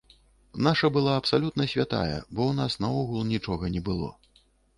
Наша была абсалютна святая, бо ў нас наогул нічога не было.